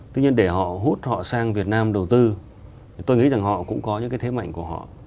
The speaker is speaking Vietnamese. tuy nhiên để họ hút họ sang việt nam đầu tư tôi nghĩ rằng họ cũng có những cái thế mạnh của họ